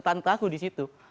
tante aku disitu